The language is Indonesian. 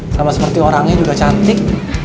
sama seperti orangnya juga cantik